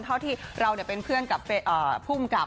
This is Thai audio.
เท่าที่เราเนี่ยเป็นเพื่อนกับผู้กำกับ